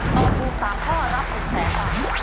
ตอบถูก๓ข้อรับ๑๐๐๐๐บาท